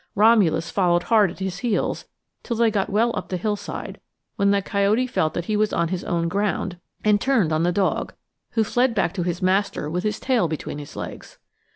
Romulus followed hard at his heels till they got well up the hillside, when the coyote felt that he was on his own ground and turned on the dog, who fled back to his master with his tail between his legs.